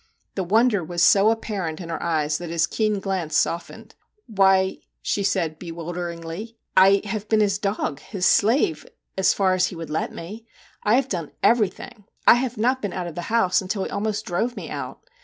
The wonder was so apparent in her eyes that his keen glance softened. 'Why/ she said bewilderingly, ' I have been his dog, his slave as far as he would let me. I have done everything I have not been out of the house until he almost drove me out.